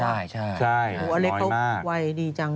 ใช่ลอยมาก